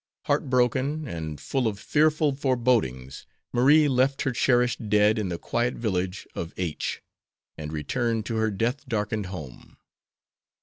Heart broken and full of fearful forebodings, Marie left her cherished dead in the quiet village of H and returned to her death darkened home.